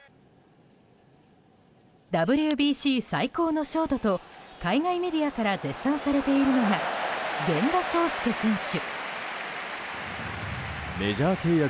ＷＢＣ最高のショートと海外メディアから絶賛されているのが源田壮亮選手。